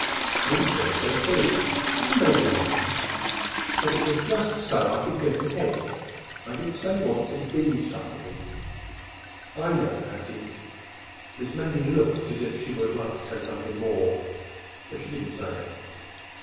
Jim says so, too. And maybe I am. But it was just so I could get ahead. I did so want to be somebody!" "I know, Hattie." Miss Maggie looked as if she would like to say something more—but she did not say it.